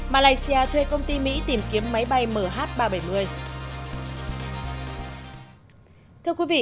malaysia thuê công ty mỹ tìm kiếm máy bay mh ba trăm bảy mươi